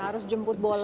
harus jemput bola